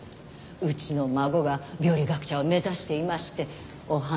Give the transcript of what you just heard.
うちの孫が病理学者を目指していましてお話を。